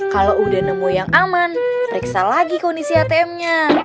kalo udah nemu yang aman periksa lagi kondisi atmnya